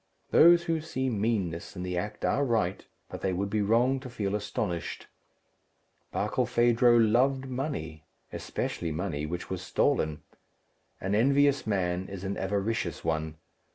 Those who see meanness in the act are right, but they would be wrong to feel astonished. Barkilphedro loved money, especially money which was stolen. An envious man is an avaricious one.